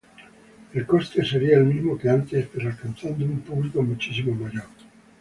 El coste sería el mismo que antes, pero alcanzando un público muchísimo mayor.